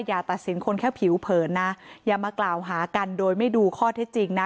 อย่าตัดสินคนแค่ผิวเผินนะอย่ามากล่าวหากันโดยไม่ดูข้อเท็จจริงนะ